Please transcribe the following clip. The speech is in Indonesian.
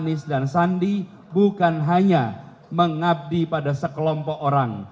anies dan sandi bukan hanya mengabdi pada sekelompok orang